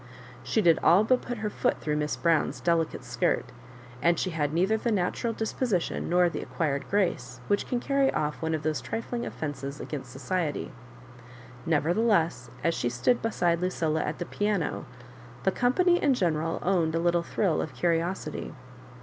She did all but put her foot through Miss Brown's delicate skirt, and she had neither the natural disposition nor the acquired grace which can carry off one of those trifling offences against society. Nevertheless, as she stood be side LuciUa at the piano, the company in general owned a little thrill of curiosity.